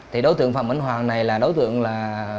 thì đối tượng phạm minh hoàng này là đối tượng là